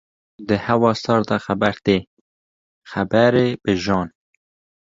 Di hawa sar de xeber tê, xeberê bi jan.